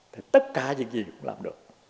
thì tất cả cái gì cũng làm được